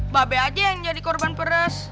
siapa aja yang jadi korban peres